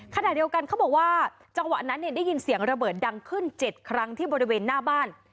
ขณะเดียวกันเขาบอกว่าจังหวะนั้นเนี่ยได้ยินเสียงระเบิดดังขึ้น๗ครั้งที่บริเวณหน้าบ้าน